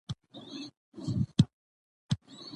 ښوونه او روزنه د نجونو راتلونکی روښانه کوي.